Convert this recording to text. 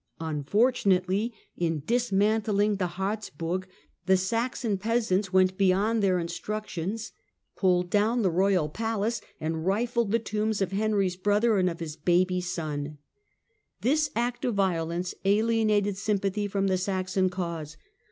Unfortunately, in dismantling the Harzburg, the Saxon peasants went beyond their instructions, pulled down the royal palace, and rilled the tombs of Henry's brother and of his baby son. This act of violence alienated sympathy from the Saxon cause.